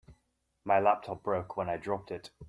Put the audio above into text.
My laptop broke when I dropped it.